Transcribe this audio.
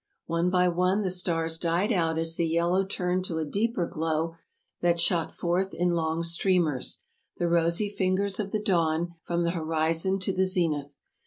One by one the stars died out as the yellow turned to a deeper glow that shot forth in long streamers, the rosy fingers of the dawn, from the hori zon to the zenith.